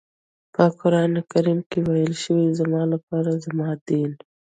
په قرآن کریم کې ويل شوي زما لپاره زما دین.